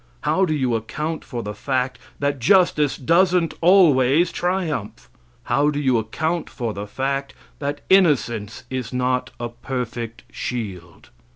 How do you account for the fact that justice doesn't always triumph? How do you account for the fact that innocence is not a perfect shield?